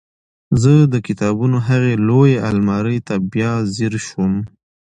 زه د کتابونو هغې لویې المارۍ ته بیا ځیر شوم